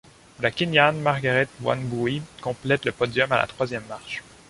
La kenyanne Margaret Wambui complète le podium à la troisième marche.